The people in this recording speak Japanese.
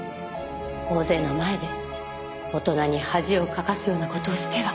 大勢の前で大人に恥をかかすような事をしては。